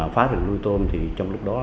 phá rừng nuôi tôm thì trong lúc đó